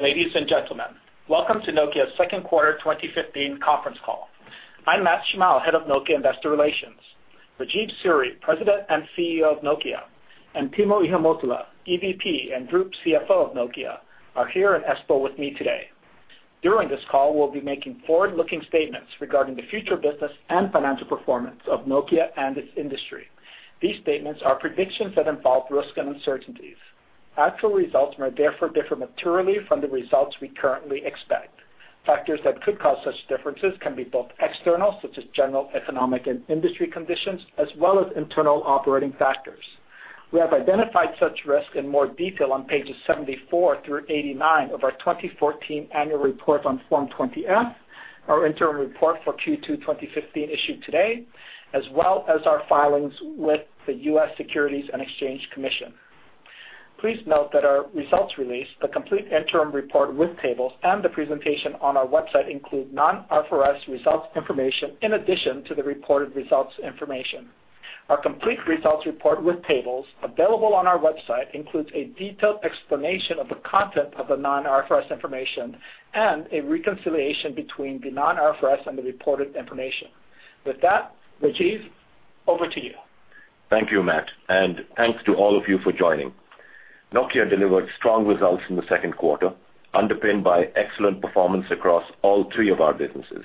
Ladies and gentlemen, welcome to Nokia's second quarter 2015 conference call. I'm Matt Shimao, Head of Nokia Investor Relations. Rajeev Suri, President and CEO of Nokia, and Timo Ihamuotila, EVP and Group CFO of Nokia, are here in Espoo with me today. During this call, we'll be making forward-looking statements regarding the future business and financial performance of Nokia and its industry. These statements are predictions that involve risks and uncertainties. Actual results may therefore differ materially from the results we currently expect. Factors that could cause such differences can be both external, such as general economic and industry conditions, as well as internal operating factors. We have identified such risks in more detail on pages 74 through 89 of our 2014 annual report on Form 20-F, our interim report for Q2 2015 issued today, as well as our filings with the U.S. Securities and Exchange Commission. Please note that our results release, the complete interim report with tables, and the presentation on our website include non-IFRS results information in addition to the reported results information. Our complete results report with tables, available on our website, includes a detailed explanation of the content of the non-IFRS information and a reconciliation between the non-IFRS and the reported information. With that, Rajeev, over to you. Thank you, Matt, and thanks to all of you for joining. Nokia delivered strong results in the second quarter, underpinned by excellent performance across all three of our businesses.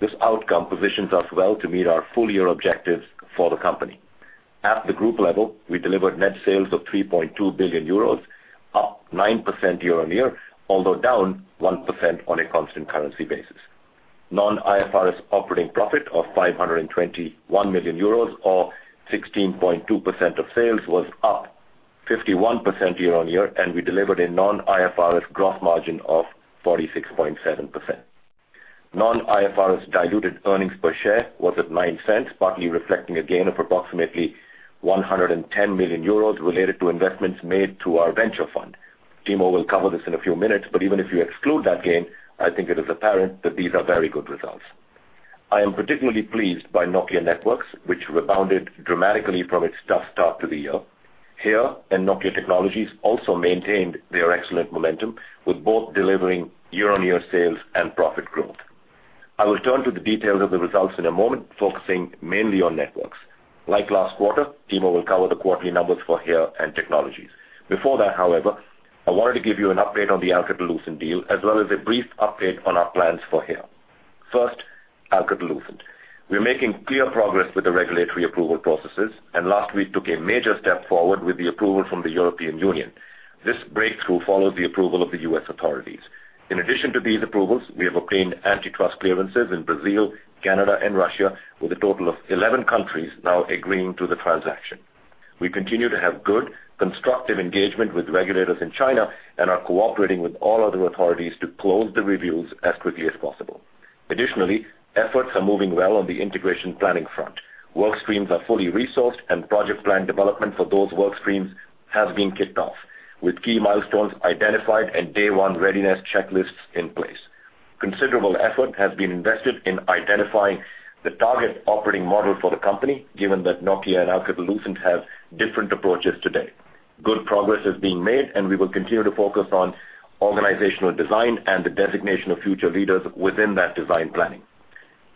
This outcome positions us well to meet our full-year objectives for the company. At the group level, we delivered net sales of 3.2 billion euros, up 9% year-on-year, although down 1% on a constant currency basis. Non-IFRS operating profit of 521 million euros, or 16.2% of sales, was up 51% year-on-year, and we delivered a non-IFRS gross margin of 46.7%. Non-IFRS diluted earnings per share was at 0.09, partly reflecting a gain of approximately 110 million euros related to investments made through our venture fund. Timo will cover this in a few minutes. Even if you exclude that gain, I think it is apparent that these are very good results. I am particularly pleased by Nokia Networks, which rebounded dramatically from its tough start to the year. HERE and Nokia Technologies also maintained their excellent momentum, with both delivering year-on-year sales and profit growth. I will turn to the details of the results in a moment, focusing mainly on Networks. Like last quarter, Timo will cover the quarterly numbers for HERE and Technologies. Before that, however, I wanted to give you an update on the Alcatel-Lucent deal as well as a brief update on our plans for HERE. First, Alcatel-Lucent. We're making clear progress with the regulatory approval processes. Last week took a major step forward with the approval from the European Union. This breakthrough follows the approval of the U.S. authorities. In addition to these approvals, we have obtained antitrust clearances in Brazil, Canada, and Russia, with a total of 11 countries now agreeing to the transaction. We continue to have good, constructive engagement with regulators in China and are cooperating with all other authorities to close the reviews as quickly as possible. Additionally, efforts are moving well on the integration planning front. Work streams are fully resourced and project plan development for those work streams has been kicked off, with key milestones identified and day one readiness checklists in place. Considerable effort has been invested in identifying the target operating model for the company, given that Nokia and Alcatel-Lucent have different approaches today. Good progress is being made, and we will continue to focus on organizational design and the designation of future leaders within that design planning.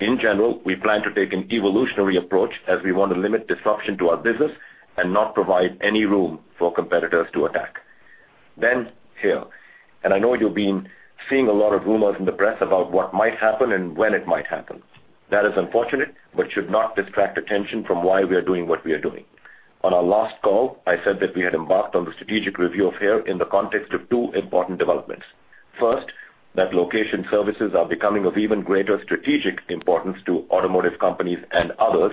In general, we plan to take an evolutionary approach as we want to limit disruption to our business and not provide any room for competitors to attack. HERE. I know you've been seeing a lot of rumors in the press about what might happen and when it might happen. That is unfortunate, but should not distract attention from why we are doing what we are doing. On our last call, I said that we had embarked on the strategic review of HERE in the context of two important developments. First, that location services are becoming of even greater strategic importance to automotive companies and others.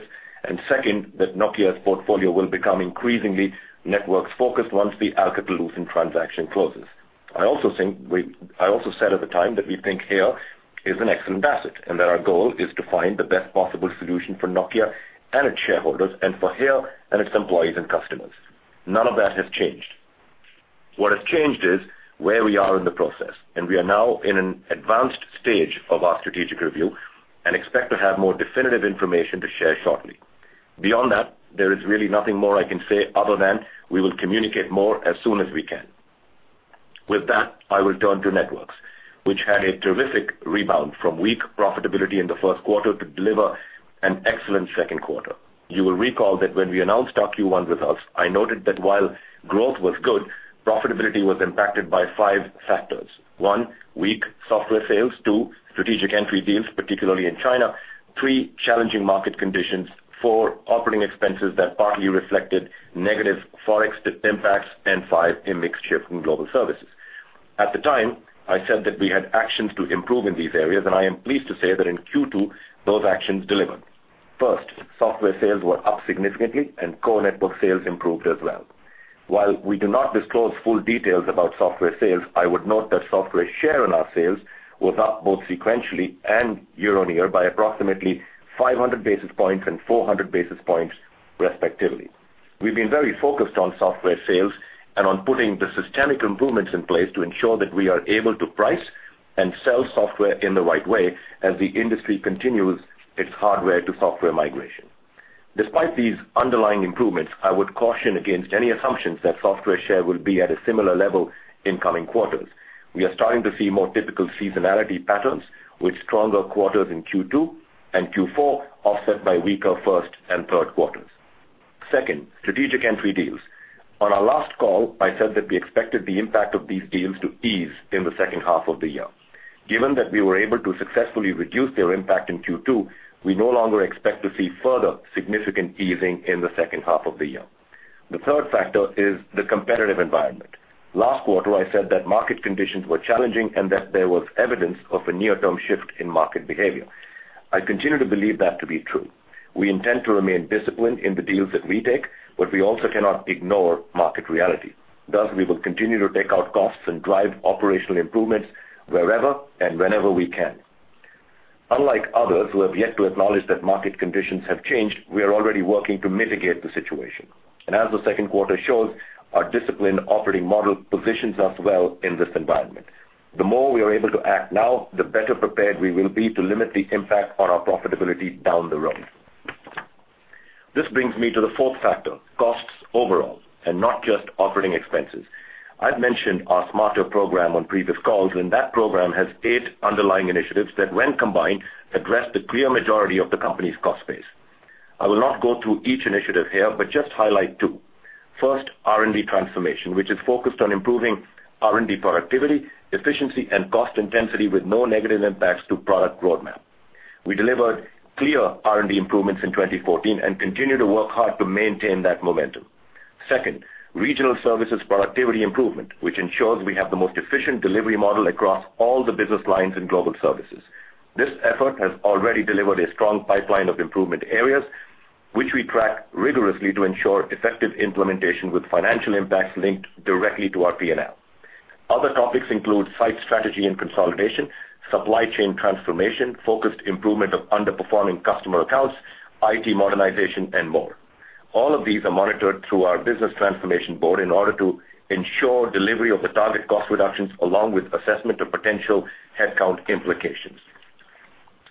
Second, that Nokia's portfolio will become increasingly Networks-focused once the Alcatel-Lucent transaction closes. I also said at the time that we think HERE is an excellent asset and that our goal is to find the best possible solution for Nokia and its shareholders and for HERE and its employees and customers. None of that has changed. What has changed is where we are in the process, and we are now in an advanced stage of our strategic review and expect to have more definitive information to share shortly. Beyond that, there is really nothing more I can say other than we will communicate more as soon as we can. With that, I will turn to Networks, which had a terrific rebound from weak profitability in the first quarter to deliver an excellent second quarter. You will recall that when we announced our Q1 results, I noted that while growth was good, profitability was impacted by five factors. One, weak software sales. Two, strategic entry deals, particularly in China. Three, challenging market conditions. Four, operating expenses that partly reflected negative Forex impacts. Five, a mix shift in global services. At the time, I said that we had actions to improve in these areas, and I am pleased to say that in Q2, those actions delivered. First, software sales were up significantly, and core network sales improved as well. While we do not disclose full details about software sales, I would note that software share in our sales was up both sequentially and year-on-year by approximately 500 basis points and 400 basis points respectively. We've been very focused on software sales and on putting the systemic improvements in place to ensure that we are able to price and sell software in the right way as the industry continues its hardware to software migration. Despite these underlying improvements, I would caution against any assumptions that software share will be at a similar level in coming quarters. We are starting to see more typical seasonality patterns with stronger quarters in Q2 and Q4, offset by weaker first and third quarters. Second, strategic entry deals. On our last call, I said that we expected the impact of these deals to ease in the second half of the year. Given that we were able to successfully reduce their impact in Q2, we no longer expect to see further significant easing in the second half of the year. The third factor is the competitive environment. Last quarter, I said that market conditions were challenging and that there was evidence of a near-term shift in market behavior. I continue to believe that to be true. We intend to remain disciplined in the deals that we take, but we also cannot ignore market reality. Thus, we will continue to take out costs and drive operational improvements wherever and whenever we can. As the second quarter shows, our disciplined operating model positions us well in this environment. The more we are able to act now, the better prepared we will be to limit the impact on our profitability down the road. This brings me to the fourth factor, costs overall, and not just operating expenses. I've mentioned our Smarter program on previous calls, and that program has eight underlying initiatives that, when combined, address the clear majority of the company's cost base. I will not go through each initiative here but just highlight two. First, R&D transformation, which is focused on improving R&D productivity, efficiency, and cost intensity with no negative impacts to product roadmap. We delivered clear R&D improvements in 2014 and continue to work hard to maintain that momentum. Second, regional services productivity improvement, which ensures we have the most efficient delivery model across all the business lines in global services. This effort has already delivered a strong pipeline of improvement areas, which we track rigorously to ensure effective implementation with financial impacts linked directly to our P&L. Other topics include site strategy and consolidation, supply chain transformation, focused improvement of underperforming customer accounts, IT modernization, and more. All of these are monitored through our business transformation board in order to ensure delivery of the target cost reductions along with assessment of potential headcount implications.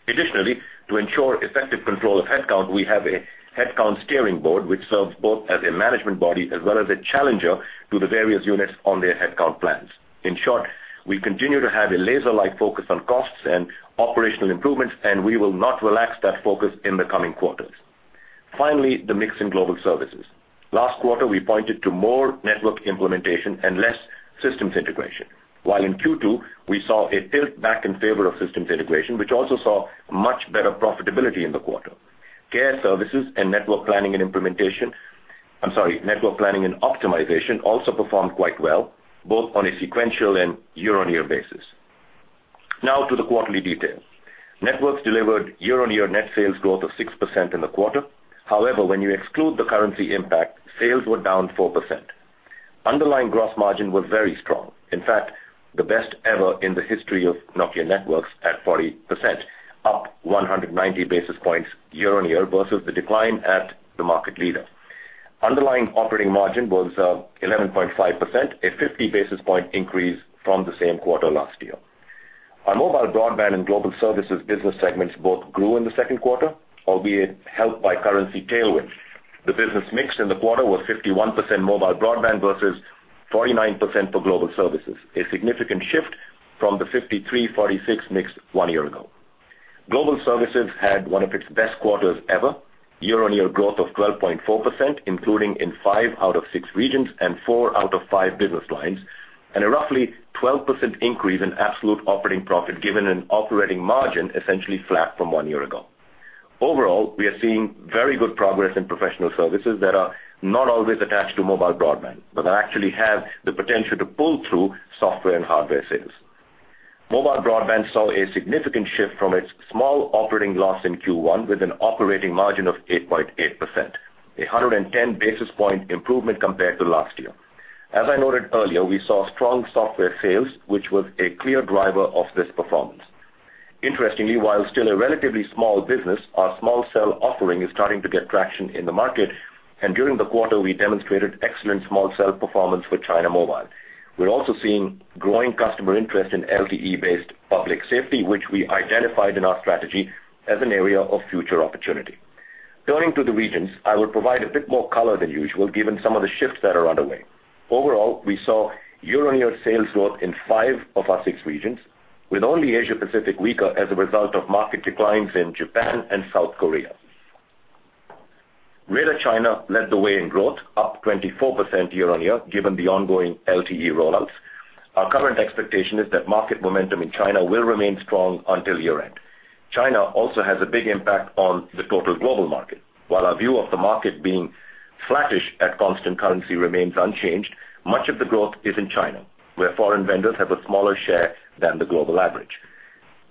Additionally, to ensure effective control of headcount, we have a headcount steering board, which serves both as a management body as well as a challenger to the various units on their headcount plans. In short, we continue to have a laser-like focus on costs and operational improvements, and we will not relax that focus in the coming quarters. Finally, the mix in global services. Last quarter, we pointed to more network implementation and less systems integration. While in Q2, we saw a tilt back in favor of systems integration, which also saw much better profitability in the quarter. Care services and network planning and implementation, I'm sorry, network planning and optimization also performed quite well, both on a sequential and year-on-year basis. Now to the quarterly details. Networks delivered year-on-year net sales growth of 6% in the quarter. However, when you exclude the currency impact, sales were down 4%. Underlying gross margin was very strong. In fact, the best ever in the history of Nokia Networks at 40%, up 190 basis points year-on-year versus the decline at the market leader. Underlying operating margin was 11.5%, a 50 basis point increase from the same quarter last year. Our Mobile Broadband and Global Services business segments both grew in the second quarter, albeit helped by currency tailwind. The business mix in the quarter was 51% Mobile Broadband versus 49% for Global Services, a significant shift from the 53/46 mix one year ago. Global Services had one of its best quarters ever, year-on-year growth of 12.4%, including in five out of six regions and four out of five business lines, and a roughly 12% increase in absolute operating profit given an operating margin essentially flat from one year ago. Overall, we are seeing very good progress in professional services that are not always attached to Mobile Broadband, but that actually have the potential to pull through software and hardware sales. Mobile Broadband saw a significant shift from its small operating loss in Q1 with an operating margin of 8.8%, 110 basis point improvement compared to last year. As I noted earlier, we saw strong software sales, which was a clear driver of this performance. Interestingly, while still a relatively small business, our small cell offering is starting to get traction in the market, and during the quarter, we demonstrated excellent small cell performance with China Mobile. We're also seeing growing customer interest in LTE-based public safety, which we identified in our strategy as an area of future opportunity. To the regions, I will provide a bit more color than usual given some of the shifts that are underway. Overall, we saw year-on-year sales growth in five of our six regions, with only Asia-Pacific weaker as a result of market declines in Japan and South Korea. Greater China led the way in growth, up 24% year-on-year, given the ongoing LTE rollouts. Our current expectation is that market momentum in China will remain strong until year-end. China also has a big impact on the total global market. While our view of the market being flattish at constant currency remains unchanged, much of the growth is in China, where foreign vendors have a smaller share than the global average.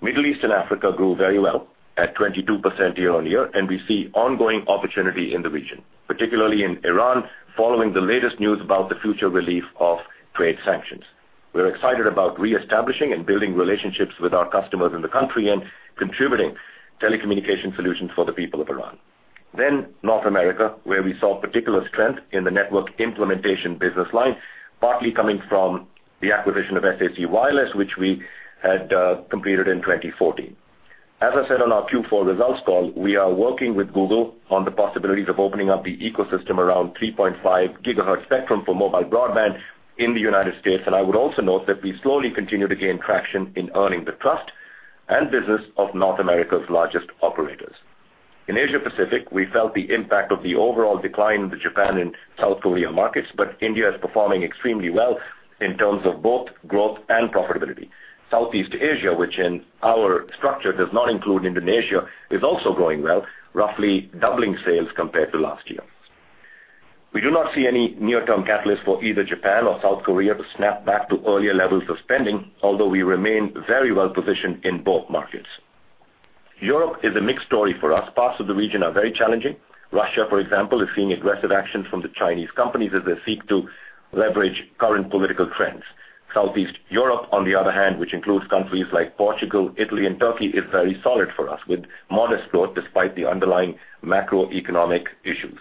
Middle East and Africa grew very well at 22% year-on-year, and we see ongoing opportunity in the region, particularly in Iran, following the latest news about the future relief of trade sanctions. We're excited about reestablishing and building relationships with our customers in the country and contributing telecommunication solutions for the people of Iran. North America, where we saw particular strength in the network implementation business line, partly coming from the acquisition of SAC Wireless, which we had completed in 2014. As I said on our Q4 results call, we are working with Google on the possibilities of opening up the ecosystem around 3.5 gigahertz spectrum for Mobile Broadband in the U.S. I would also note that we slowly continue to gain traction in earning the trust and business of North America's largest operators. In Asia-Pacific, we felt the impact of the overall decline in the Japan and South Korea markets, but India is performing extremely well in terms of both growth and profitability. Southeast Asia, which in our structure does not include Indonesia, is also growing well, roughly doubling sales compared to last year. We do not see any near-term catalyst for either Japan or South Korea to snap back to earlier levels of spending, although we remain very well positioned in both markets. Europe is a mixed story for us. Parts of the region are very challenging. Russia, for example, is seeing aggressive actions from the Chinese companies as they seek to leverage current political trends. Southern Europe, on the other hand, which includes countries like Portugal, Italy, and Turkey, is very solid for us, with modest growth despite the underlying macroeconomic issues.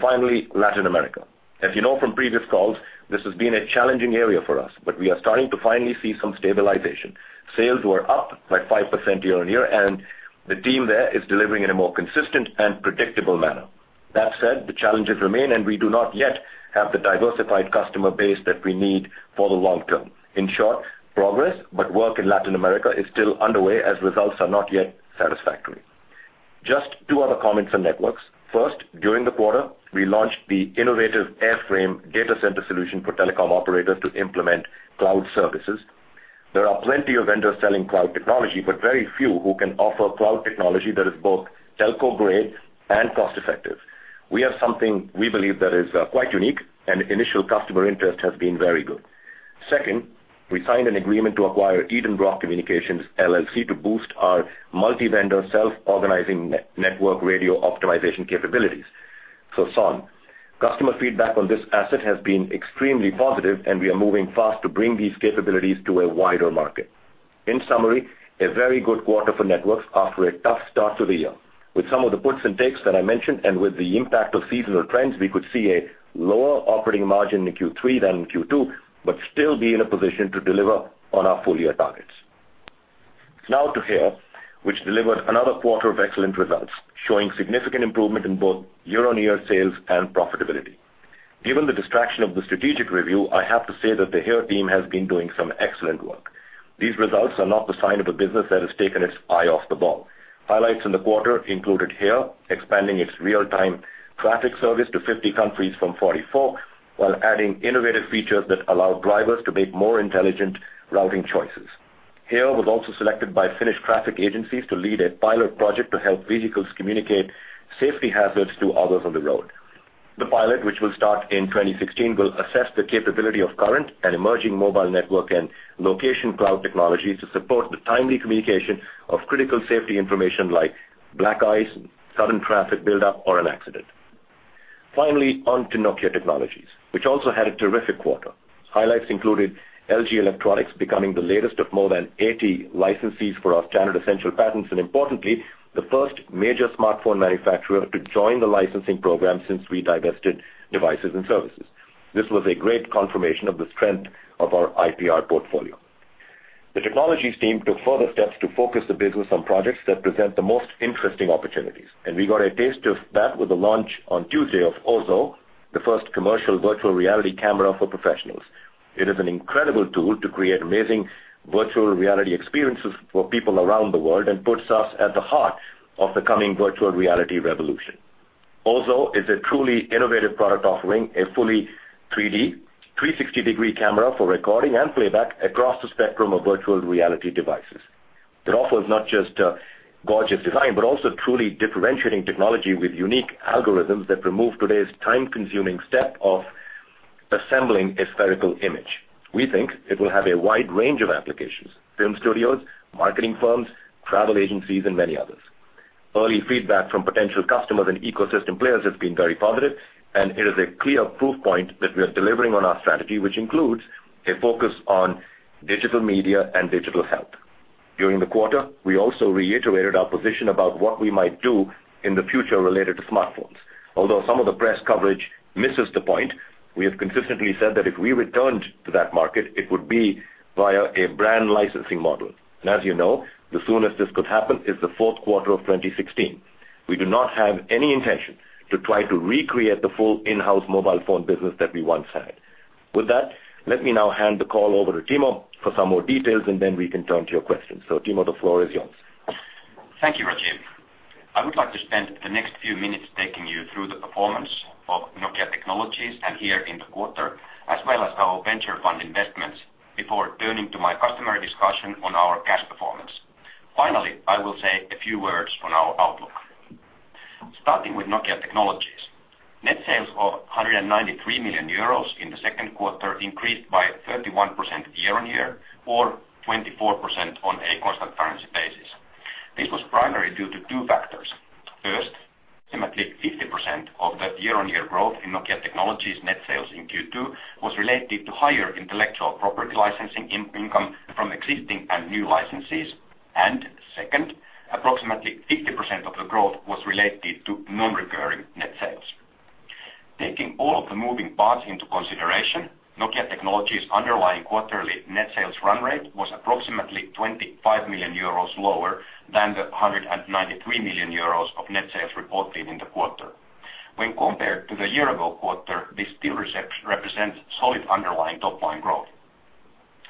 Finally, Latin America. As you know from previous calls, this has been a challenging area for us, but we are starting to finally see some stabilization. Sales were up by 5% year-on-year, and the team there is delivering in a more consistent and predictable manner. That said, the challenges remain. We do not yet have the diversified customer base that we need for the long term. In short, progress, work in Latin America is still underway as results are not yet satisfactory. Just two other comments on networks. First, during the quarter, we launched the innovative AirFrame data center solution for telecom operators to implement cloud services. There are plenty of vendors selling cloud technology, but very few who can offer cloud technology that is both telco-grade and cost-effective. We have something we believe that is quite unique, and initial customer interest has been very good. Second, we signed an agreement to acquire Eden Rock Communications, LLC to boost our multi-vendor self-organizing network radio optimization capabilities. So SON. Customer feedback on this asset has been extremely positive, and we are moving fast to bring these capabilities to a wider market. In summary, a very good quarter for networks after a tough start to the year. With some of the puts and takes that I mentioned and with the impact of seasonal trends, we could see a lower operating margin in Q3 than in Q2 but still be in a position to deliver on our full-year targets. Now to HERE, which delivered another quarter of excellent results, showing significant improvement in both year-on-year sales and profitability. Given the distraction of the strategic review, I have to say that the HERE team has been doing some excellent work. These results are not the sign of a business that has taken its eye off the ball. Highlights in the quarter included HERE expanding its real-time traffic service to 50 countries from 44, while adding innovative features that allow drivers to make more intelligent routing choices. HERE was also selected by Finnish traffic agencies to lead a pilot project to help vehicles communicate safety hazards to others on the road. The pilot, which will start in 2016, will assess the capability of current and emerging mobile network and location cloud technologies to support the timely communication of critical safety information like black ice, sudden traffic buildup, or an accident. Finally, on to Nokia Technologies, which also had a terrific quarter. Highlights included LG Electronics becoming the latest of more than 80 licensees for our standard essential patents and importantly, the first major smartphone manufacturer to join the licensing program since we divested devices and services. This was a great confirmation of the strength of our IPR portfolio. The technologies team took further steps to focus the business on projects that present the most interesting opportunities, and we got a taste of that with the launch on Tuesday of OZO, the first commercial virtual reality camera for professionals. It is an incredible tool to create amazing virtual reality experiences for people around the world and puts us at the heart of the coming virtual reality revolution. OZO is a truly innovative product offering, a fully 3D 360-degree camera for recording and playback across the spectrum of virtual reality devices. It offers not just a gorgeous design, but also truly differentiating technology with unique algorithms that remove today's time-consuming step of assembling a spherical image. We think it will have a wide range of applications, film studios, marketing firms, travel agencies, and many others. Early feedback from potential customers and ecosystem players has been very positive. It is a clear proof point that we are delivering on our strategy, which includes a focus on digital media and digital health. During the quarter, we also reiterated our position about what we might do in the future related to smartphones. Although some of the press coverage misses the point, we have consistently said that if we returned to that market, it would be via a brand licensing model. As you know, the soonest this could happen is the fourth quarter of 2016. We do not have any intention to try to recreate the full in-house mobile phone business that we once had. With that, let me now hand the call over to Timo for some more details, and then we can turn to your questions. Timo, the floor is yours. Thank you, Rajiv. I would like to spend the next few minutes taking you through the performance of Nokia Technologies and HERE in the quarter, as well as our venture fund investments before turning to my customary discussion on our cash performance. Finally, I will say a few words on our outlook. Starting with Nokia Technologies. Net sales of 193 million euros in the second quarter increased by 31% year-on-year or 24% on a constant currency basis. This was primarily due to two factors. First, approximately 50% of that year-on-year growth in Nokia Technologies net sales in Q2 was related to higher intellectual property licensing income from existing and new licensees. Second, approximately 50% of the growth was related to non-recurring net sales. Taking all of the moving parts into consideration, Nokia Technologies' underlying quarterly net sales run rate was approximately 25 million euros lower than the 193 million euros of net sales reported in the quarter. When compared to the year-ago quarter, this still represents solid underlying top-line growth.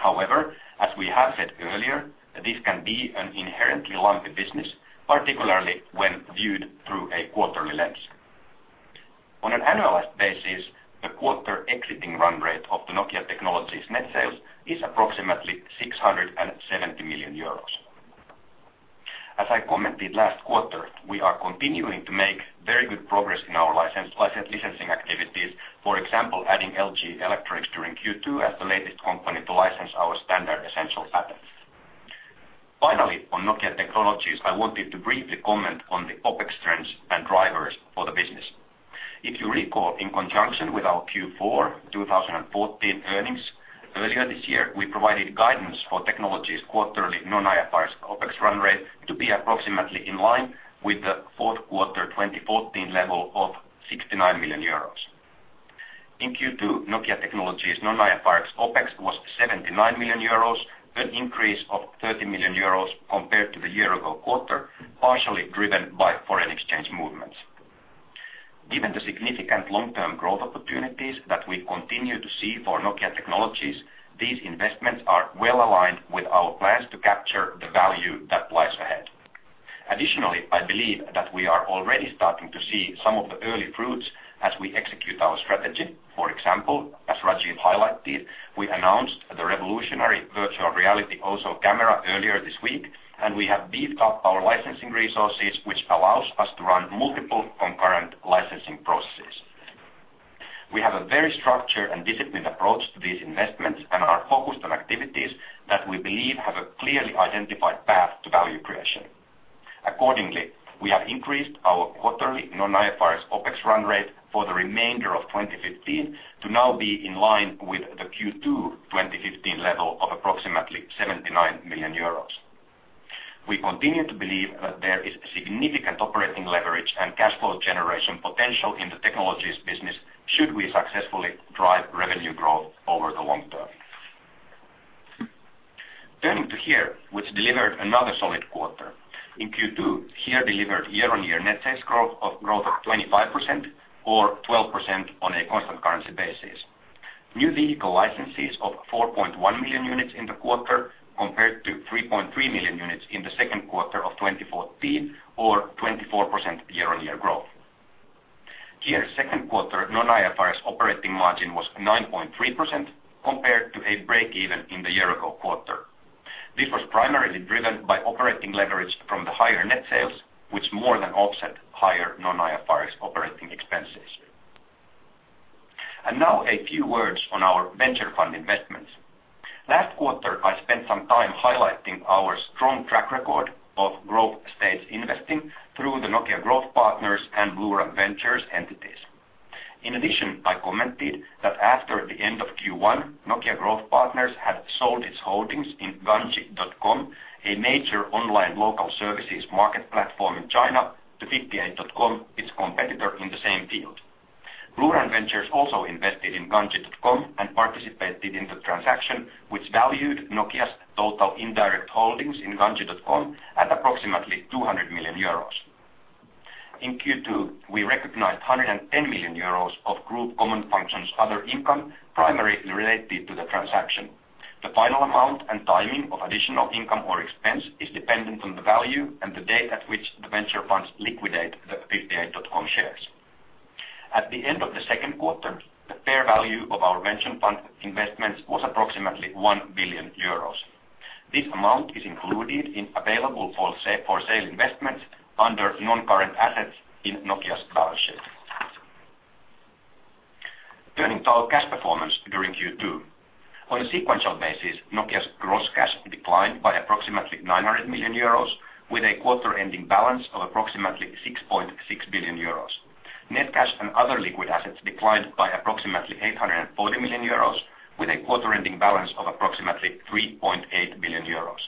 However, as we have said earlier, this can be an inherently lumpy business, particularly when viewed through a quarterly lens. On an annualized basis, the quarter exiting run rate of the Nokia Technologies net sales is approximately 670 million euros. As I commented last quarter, we are continuing to make very good progress in our licensing activities. For example, adding LG Electronics during Q2 as the latest company to license our standard essential patents. Finally, on Nokia Technologies, I wanted to briefly comment on the OpEx trends and drivers for the business. If you recall, in conjunction with our Q4 2014 earnings earlier this year, we provided guidance for Technologies' quarterly non-IFRS OpEx run rate to be approximately in line with the fourth quarter 2014 level of 69 million euros. In Q2, Nokia Technologies' non-IFRS OpEx was 79 million euros, an increase of 30 million euros compared to the year ago quarter, partially driven by foreign exchange movements. Given the significant long-term growth opportunities that we continue to see for Nokia Technologies, these investments are well-aligned with our plans to capture the value that lies ahead. Additionally, I believe that we are already starting to see some of the early fruits as we execute our strategy. For example, as Rajeev highlighted, we announced the revolutionary virtual reality OZO camera earlier this week, and we have beefed up our licensing resources, which allows us to run multiple concurrent licensing processes. We have a very structured and disciplined approach to these investments and are focused on activities that we believe have a clearly identified path to value creation. Accordingly, we have increased our quarterly non-IFRS OpEx run rate for the remainder of 2015 to now be in line with the Q2 2015 level of approximately 79 million euros. We continue to believe that there is significant operating leverage and cash flow generation potential in the Technologies business should we successfully drive revenue growth over the long term. Turning to HERE, which delivered another solid quarter. In Q2, HERE delivered year-on-year net sales growth of 25% or 12% on a constant currency basis. New vehicle licenses of 4.1 million units in the quarter compared to 3.3 million units in the second quarter of 2014, or 24% year-on-year growth. HERE's second quarter non-IFRS operating margin was 9.3% compared to a break-even in the year ago quarter. This was primarily driven by operating leverage from the higher net sales, which more than offset higher non-IFRS operating expenses. Now a few words on our venture fund investments. Last quarter, I spent some time highlighting our strong track record of growth stage investing through the Nokia Growth Partners and BlueRun Ventures entities. In addition, I commented that after the end of Q1, Nokia Growth Partners had sold its holdings in Ganji.com, a major online local services market platform in China, to 58.com, its competitor in the same field. BlueRun Ventures also invested in Ganji.com and participated in the transaction, which valued Nokia's total indirect holdings in Ganji.com at approximately 200 million euros. In Q2, we recognized 110 million euros of group common functions other income primarily related to the transaction. The final amount and timing of additional income or expense is dependent on the value and the date at which the venture funds liquidate the 58.com shares. At the end of the second quarter, the fair value of our venture fund investments was approximately 1 billion euros. This amount is included in available-for-sale investments under non-current assets in Nokia's balance sheet. Turning to our cash performance during Q2. On a sequential basis, Nokia's gross cash declined by approximately 900 million euros with a quarter-ending balance of approximately 6.6 billion euros. Net cash and other liquid assets declined by approximately 840 million euros, with a quarter-ending balance of approximately 3.8 billion euros.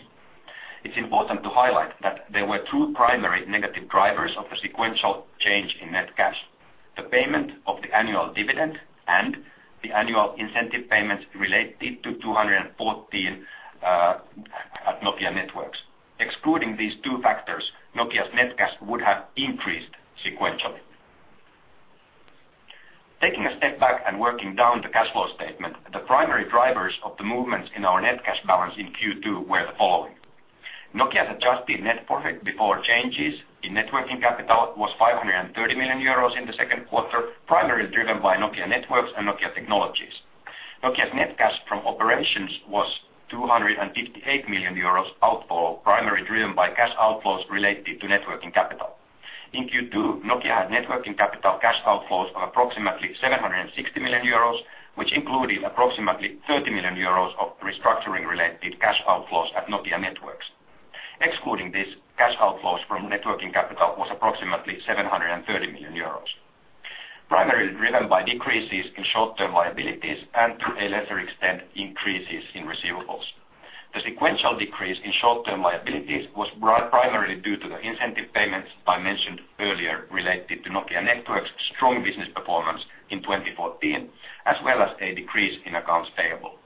It's important to highlight that there were two primary negative drivers of the sequential change in net cash. The payment of the annual dividend and the annual incentive payments related to 2014 at Nokia Networks. Excluding these two factors, Nokia's net cash would have increased sequentially. Taking a step back and working down the cash flow statement, the primary drivers of the movements in our net cash balance in Q2 were the following. Nokia's adjusted net profit before changes in networking capital was 530 million euros in the second quarter, primarily driven by Nokia Networks and Nokia Technologies. Nokia's net cash from operations was 258 million euros outflow, primarily driven by cash outflows related to networking capital. In Q2, Nokia had networking capital cash outflows of approximately 760 million euros, which included approximately 30 million euros of restructuring-related cash outflows at Nokia Networks. Excluding these cash outflows from networking capital was approximately 730 million euros, primarily driven by decreases in short-term liabilities and to a lesser extent, increases in receivables. The sequential decrease in short-term liabilities was primarily due to the incentive payments I mentioned earlier related to Nokia Networks' strong business performance in 2014, as well as a decrease in accounts payable.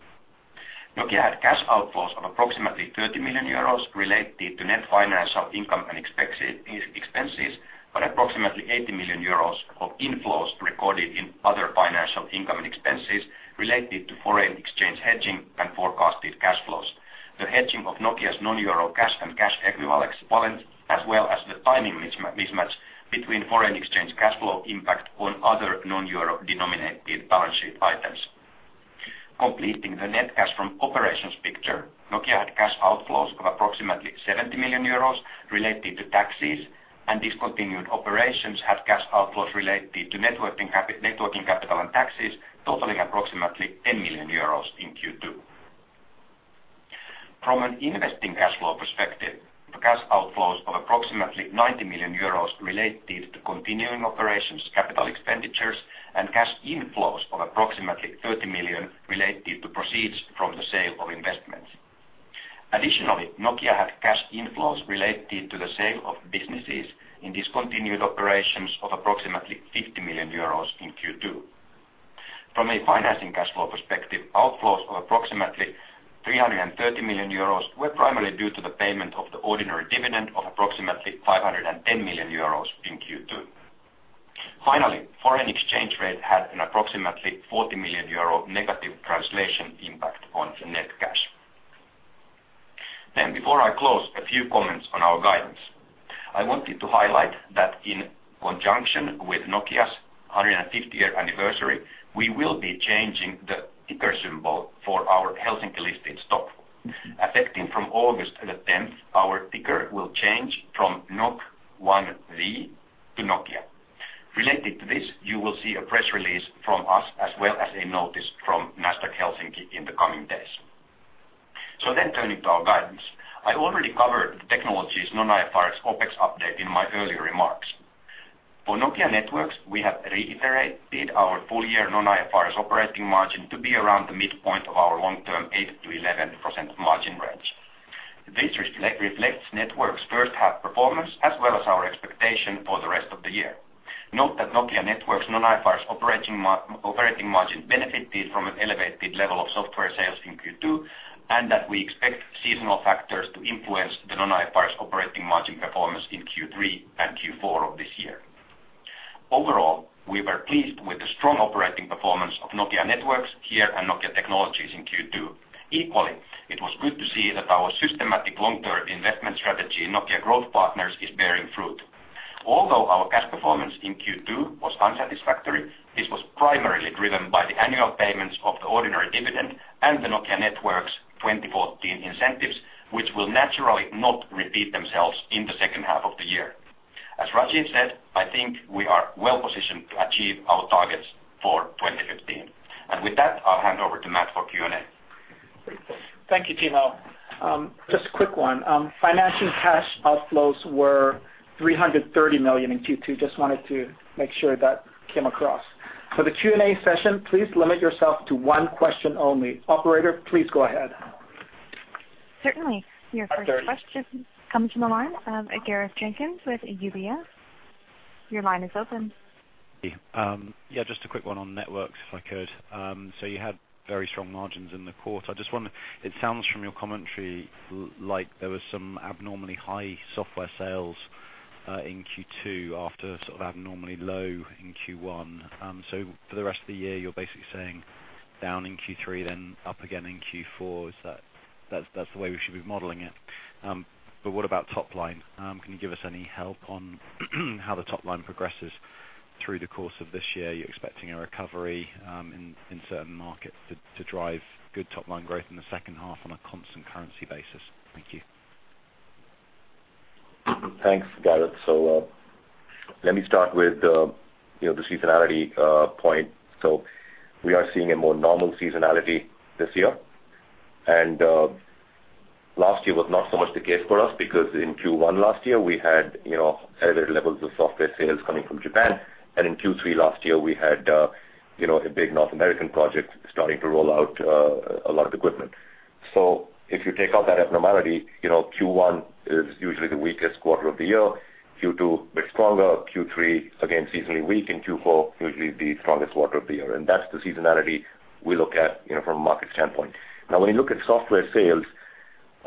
Nokia had cash outflows of approximately 30 million euros related to net financial income and expenses, but approximately 80 million euros of inflows recorded in other financial income and expenses related to foreign exchange hedging and forecasted cash flows. The hedging of Nokia's non-euro cash and cash equivalents, as well as the timing mismatch between foreign exchange cash flow impact on other non-euro denominated balance sheet items. Completing the net cash from operations picture, Nokia had cash outflows of approximately 70 million euros related to taxes, and discontinued operations had cash outflows related to networking capital and taxes totaling approximately 10 million euros in Q2. From an investing cash flow perspective, the cash outflows of approximately 90 million euros related to continuing operations, capital expenditures, and cash inflows of approximately 30 million related to proceeds from the sale of investments. Additionally, Nokia had cash inflows related to the sale of businesses in discontinued operations of approximately 50 million euros in Q2. From a financing cash flow perspective, outflows of approximately 330 million euros were primarily due to the payment of the ordinary dividend of approximately 510 million euros in Q2. Finally, foreign exchange rate had an approximately 40 million euro negative translation impact on the net cash. Before I close, a few comments on our guidance. I wanted to highlight that in conjunction with Nokia's 150-year anniversary, we will be changing the ticker symbol for our Helsinki-listed stock. Affecting from August 10th, our ticker will change from NOK1V to Nokia. Related to this, you will see a press release from us, as well as a notice from Nasdaq Helsinki in the coming days. Turning to our guidance. I already covered the Technologies non-IFRS OpEx update in my earlier remarks. For Nokia Networks, we have reiterated our full-year non-IFRS operating margin to be around the midpoint of our long-term 8%-11% margin range. This reflects Networks' first-half performance, as well as our expectation for the rest of the year. Note that Nokia Networks' non-IFRS operating margin benefited from an elevated level of software sales in Q2, and that we expect seasonal factors to influence the non-IFRS operating margin performance in Q3 and Q4 of this year. Overall, we were pleased with the strong operating performance of Nokia Networks here and Nokia Technologies in Q2. Equally, it was good to see that our systematic long-term investment strategy, Nokia Growth Partners, is bearing fruit. Although our cash performance in Q2 was unsatisfactory, this was primarily driven by the annual payments of the ordinary dividend and the Nokia Networks 2014 incentives, which will naturally not repeat themselves in the second half of the year. As Rajeev said, I think we are well-positioned to achieve our targets for 2015. With that, I'll hand over to Matt for Q&A. Thank you, Timo. Just a quick one. Financing cash outflows were 330 million in Q2. Just wanted to make sure that came across. For the Q&A session, please limit yourself to one question only. Operator, please go ahead. Certainly. Your first question comes from the line of Gareth Jenkins with UBS. Your line is open. Yeah, just a quick one on Networks, if I could. You had very strong margins in the quarter. It sounds from your commentary like there was some abnormally high software sales in Q2 after sort of abnormally low in Q1. For the rest of the year, you're basically saying down in Q3, then up again in Q4. Is that the way we should be modeling it? What about top line? Can you give us any help on how the top line progresses through the course of this year? You're expecting a recovery in certain markets to drive good top-line growth in the second half on a constant currency basis. Thank you. Thanks, Gareth. Let me start with the seasonality point. We are seeing a more normal seasonality this year. Last year was not so much the case for us because in Q1 last year, we had elevated levels of software sales coming from Japan, and in Q3 last year, we had a big North American project starting to roll out a lot of equipment. If you take out that abnormality, Q1 is usually the weakest quarter of the year, Q2 a bit stronger, Q3 again seasonally weak, and Q4 usually the strongest quarter of the year. That's the seasonality we look at from a market standpoint. When you look at software sales,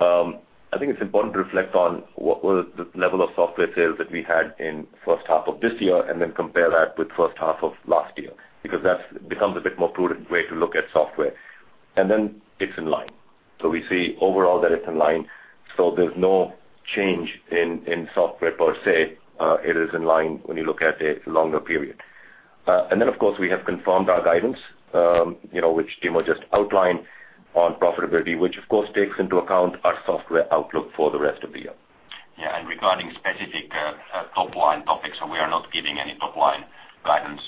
I think it's important to reflect on what was the level of software sales that we had in the first half of this year and then compare that with the first half of last year, because that becomes a bit more prudent way to look at software. Then it's in line. We see overall that it's in line, there's no change in software per se. It is in line when you look at a longer period. Then, of course, we have confirmed our guidance, which Timo just outlined on profitability, which of course, takes into account our software outlook for the rest of the year. Regarding specific top-line topics, we are not giving any top-line guidance,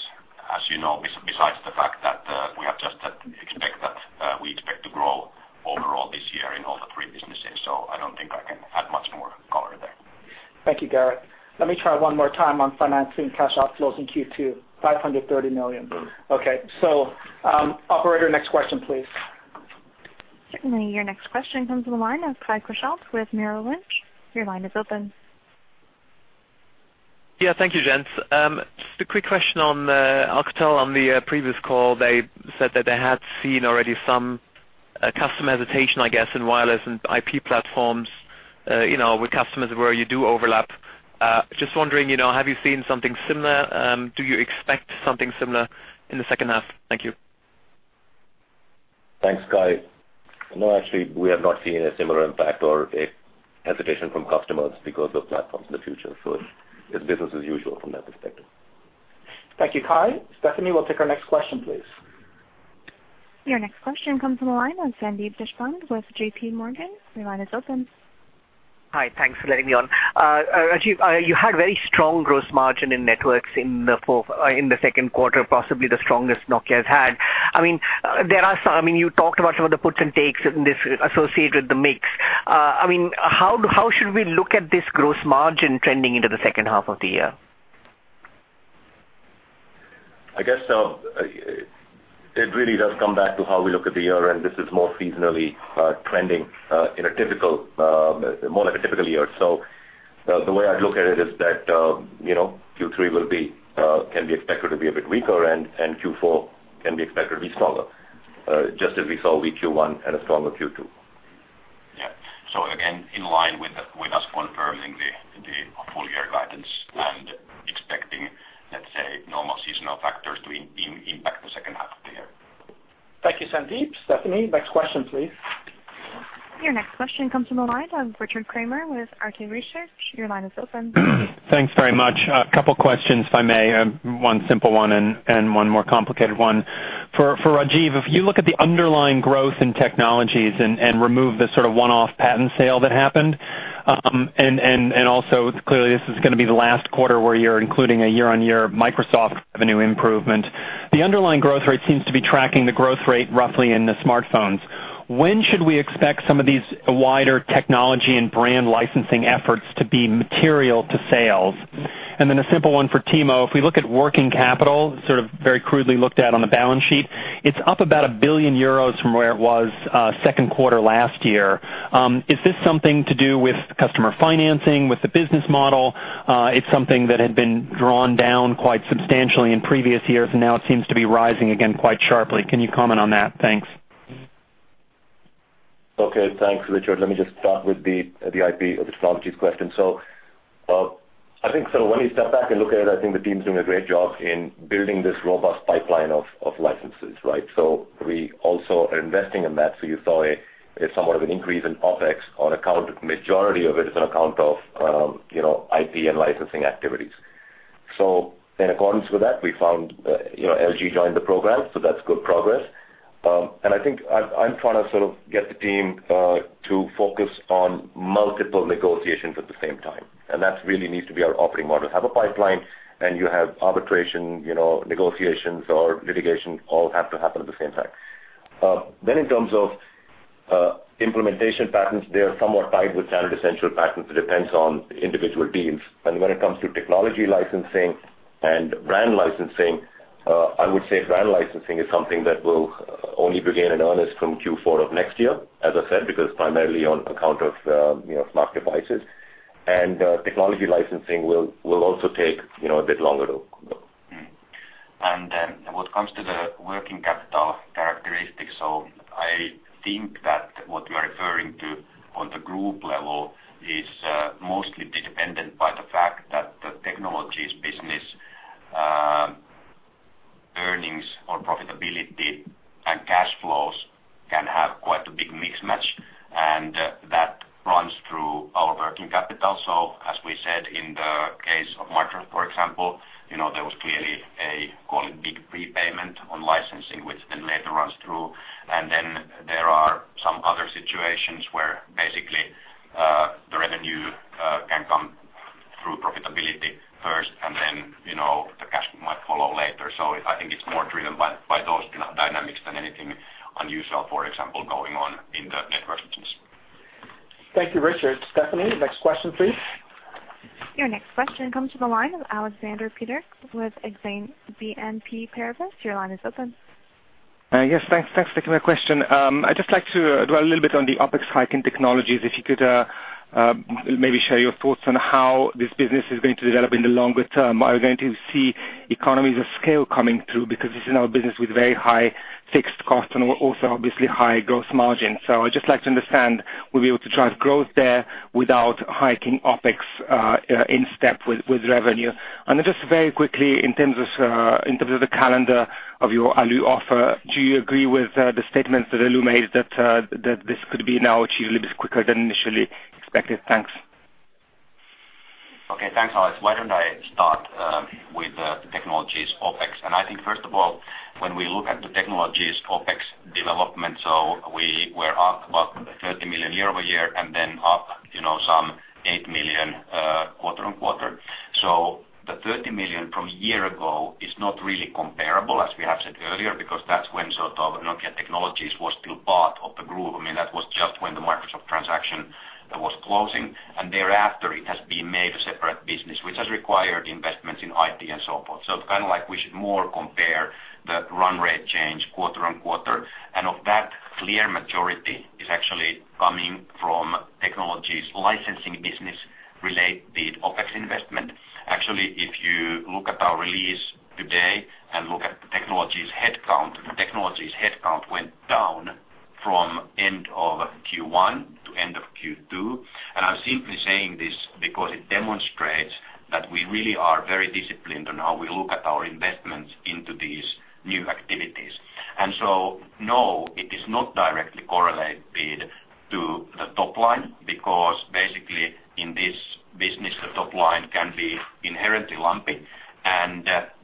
as you know, besides the fact that we expect to grow overall this year in all the three businesses. I don't think I can add much more color there. Thank you, Gareth. Let me try one more time on financing cash outflows in Q2, 530 million. Okay. Operator, next question, please. Certainly. Your next question comes from the line of Kai Korschelt with Mirae Asset. Your line is open. Yeah, thank you, gents. Just a quick question on Alcatel. On the previous call, they said that they had seen already some customer hesitation, I guess, in wireless and IP platforms, with customers where you do overlap. Just wondering, have you seen something similar? Do you expect something similar in the second half? Thank you. Thanks, Kai. No, actually, we have not seen a similar impact or a hesitation from customers because of platforms in the future. It's business as usual from that perspective. Thank you, Kai. Stephanie, we'll take our next question, please. Your next question comes from the line of Sandeep Deshpande with J.P. Morgan. Your line is open. Hi, thanks for letting me on. Rajeev, you had very strong gross margin in Networks in the second quarter, possibly the strongest Nokia's had. You talked about some of the puts and takes associated with the mix. How should we look at this gross margin trending into the second half of the year? I guess it really does come back to how we look at the year. This is more seasonally trending in a typical, more like a typical year. The way I look at it is that Q3 can be expected to be a bit weaker and Q4 can be expected to be stronger, just as we saw with Q1 and a stronger Q2. Yeah. Again, in line with us confirming the full year guidance and expecting, let's say, normal seasonal factors to impact the second half of the year. Thank you, Sandeep. Stephanie, next question, please. Your next question comes from the line of Richard Kramer with Arete Research. Your line is open. Thanks very much. A couple of questions, if I may. One simple one and one more complicated one. For Rajeev, if you look at the underlying growth in technologies and remove the sort of one-off patent sale that happened, also clearly this is going to be the last quarter where you're including a year-on-year Microsoft revenue improvement. The underlying growth rate seems to be tracking the growth rate roughly in the smartphones. When should we expect some of these wider technology and brand licensing efforts to be material to sales? A simple one for Timo. If we look at working capital, sort of very crudely looked at on the balance sheet, it's up about 1 billion euros from where it was second quarter last year. Is this something to do with customer financing, with the business model? It's something that had been drawn down quite substantially in previous years, and now it seems to be rising again quite sharply. Can you comment on that? Thanks. Okay. Thanks, Richard. Let me just start with the IP of the Nokia Technologies question. I think when we step back and look at it, I think the team's doing a great job in building this robust pipeline of licenses, right? We also are investing in that. You saw it's somewhat of an increase in OpEx on account of majority of it is on account of IP and licensing activities. In accordance with that, we found LG joined the program, so that's good progress. I think I'm trying to sort of get the team to focus on multiple negotiations at the same time. That really needs to be our operating model. Have a pipeline, you have arbitration, negotiations, or litigation, all have to happen at the same time. In terms of implementation patents, they are somewhat tied with standard essential patents. It depends on individual deals. When it comes to technology licensing and brand licensing, I would say brand licensing is something that will only begin in earnest from Q4 of next year, as I said, because primarily on account of smart devices. Technology licensing will also take a bit longer to build. What comes to the working capital characteristics, I think that what you are referring to on the group level is mostly dependent by the fact that the Nokia Technologies business earnings or profitability and cash flows can have quite a big mismatch, and that runs through our working capital. As we said in the case of Microsoft, for example, there was clearly a, call it, big prepayment on licensing, which then later runs through. There are some other situations where basically, the revenue can come through profitability first, and then the cash might follow later. I think it's more driven by those dynamics than anything unusual, for example, going on in the net versus. Thank you, Richard. Stephanie, next question, please. Your next question comes from the line of Alexander Peterc with Exane BNP Paribas. Your line is open. Yes, thanks for taking my question. I'd just like to dwell a little bit on the OpEx hike in Nokia Technologies, if you could maybe share your thoughts on how this business is going to develop in the longer term. Are we going to see economies of scale coming through? Because this is now a business with very high fixed costs and also obviously high gross margin. I'd just like to understand, will we be able to drive growth there without hiking OpEx in step with revenue? Just very quickly, in terms of the calendar of your Alu offer, do you agree with the statements that Alu made that this could be now achieved a little bit quicker than initially expected? Thanks. Okay. Thanks, Alex. Why don't I start with the Nokia Technologies OpEx? I think first of all, when we look at the Nokia Technologies OpEx development, we were up about 30 million year-over-year then up some 8 million quarter-on-quarter. The 30 million from a year ago is not really comparable, as we have said earlier, because that's when sort of Nokia Technologies was still part of the group. I mean, that was closing, and thereafter it has been made a separate business, which has required investments in IT and so forth. It's kind of like we should more compare the run rate change quarter-on-quarter, and of that clear majority is actually coming from Nokia Technologies licensing business related OpEx investment. Actually, if you look at our release today and look at the Nokia Technologies headcount, the Nokia Technologies headcount went down from end of Q1 to end of Q2. I'm simply saying this because it demonstrates that we really are very disciplined on how we look at our investments into these new activities. No, it is not directly correlated to the top line because basically, in this business, the top line can be inherently lumpy.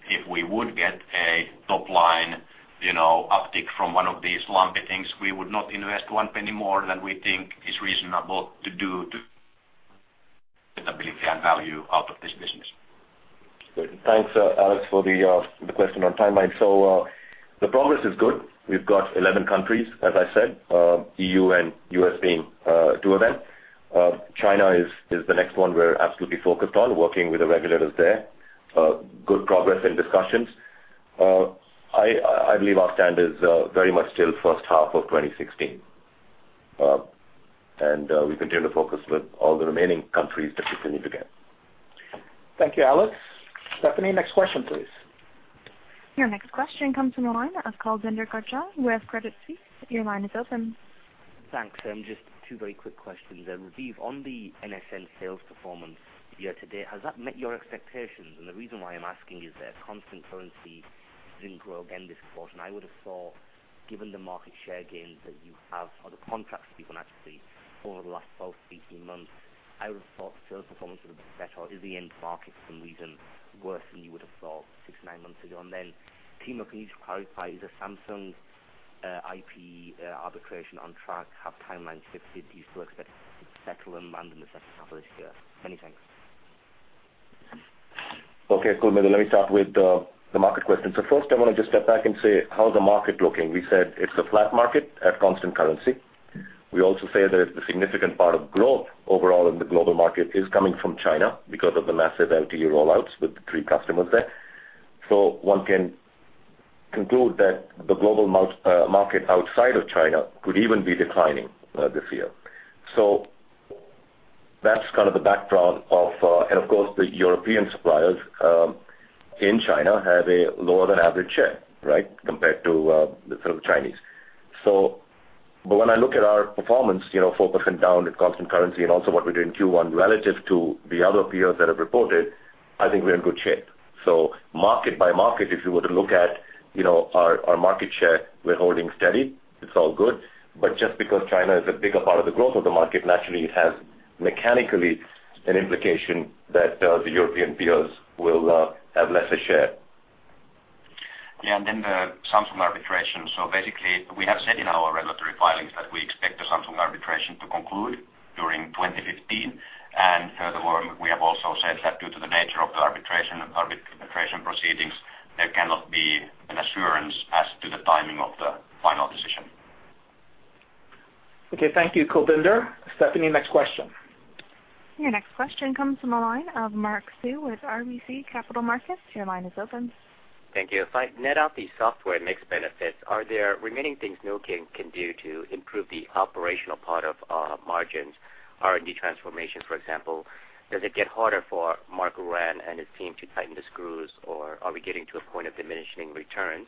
If we would get a top-line uptick from one of these lumpy things, we would not invest 0.01 more than we think is reasonable to do to stability and value out of this business. Great. Thanks, Alex, for the question on timeline. The progress is good. We've got 11 countries, as I said, EU and U.S. being two of them. China is the next one we're absolutely focused on, working with the regulators there. Good progress in discussions. I believe our stand is very much still first half of 2016. We continue to focus with all the remaining countries that are significant. Thank you, Alex. Stephanie, next question, please. Your next question comes from the line of Kulbinder Garcha with Credit Suisse. Your line is open. Thanks. Just two very quick questions. Rajeev, on the NSN sales performance year to date, has that met your expectations? The reason why I'm asking is that constant currency didn't grow again this quarter, and I would've thought given the market share gains that you have or the contracts even, actually, over the last 12, 18 months, I would've thought sales performance would have been better. Is the end market for some reason worse than you would've thought six, nine months ago? Then Timo, can you just clarify, is the Samsung IPR arbitration on track? Have timelines shifted? Do you still expect it to settle in London in the second half of this year? Many thanks. Okay, Kulbinder, let me start with the market question. First, I want to just step back and say how's the market looking. We said it's a flat market at constant currency. We also say that the significant part of growth overall in the global market is coming from China because of the massive LTE rollouts with the three customers there. One can conclude that the global market outside of China could even be declining this year. That's kind of the background of, and of course, the European suppliers in China have a lower than average share, compared to the sort of Chinese. When I look at our performance, 4% down at constant currency and also what we did in Q1 relative to the other peers that have reported, I think we're in good shape. Market by market, if you were to look at our market share, we're holding steady. It's all good. Just because China is a bigger part of the growth of the market, naturally, it has mechanically an implication that the European peers will have lesser share. The Samsung arbitration. Basically, we have said in our regulatory filings that we expect the Samsung arbitration to conclude during 2015. Furthermore, we have also said that due to the nature of the arbitration proceedings, there cannot be an assurance as to the timing of the final decision. Okay. Thank you, Kulbinder. Stephanie, next question. Your next question comes from the line of Mark Sue with RBC Capital Markets. Your line is open. Thank you. If I net out the software mix benefits, are there remaining things Nokia can do to improve the operational part of margins, R&D transformation, for example? Does it get harder for Marko Ahtisaari and his team to tighten the screws, or are we getting to a point of diminishing returns?